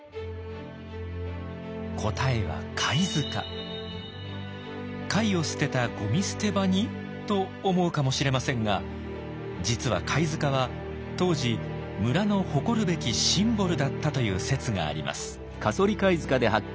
答えは貝を捨てたゴミ捨て場に？と思うかもしれませんが実は貝塚は当時村の誇るべきシンボルだったという説があります。